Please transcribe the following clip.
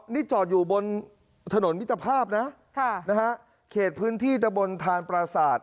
นี่จอดอยู่บนถนนมิตรภาพนะค่ะนะฮะเขตพื้นที่ตะบนทานปราศาสตร์